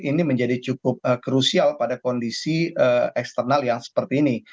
ini menjadi cukup krusial pada kondisi eksternal yang seperti ini